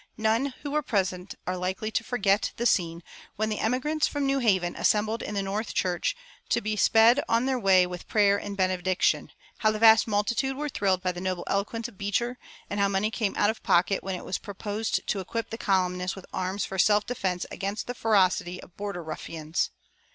None who were present are likely to forget the scene when the emigrants from New Haven assembled in the North Church to be sped on their way with prayer and benediction; how the vast multitude were thrilled by the noble eloquence of Beecher, and how money came out of pocket when it was proposed to equip the colonists with arms for self defense against the ferocity of "border ruffians."